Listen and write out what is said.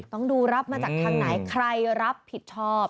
ต้องดูรับมาจากทางไหนใครรับผิดชอบ